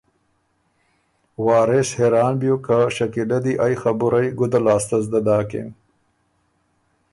وارث حېران بیوک که شکیله دی ائ خبُرئ ګُده لاسته زدۀ داکِن